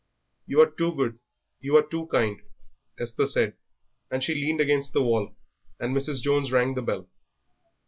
"You are too good, you are too kind," Esther said, and she leaned against the wall, and Mrs. Jones rang the bell.